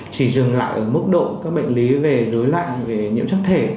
chỉ dừng lại ở mức độ các bệnh lý về dối loạn về nhiễm chất thể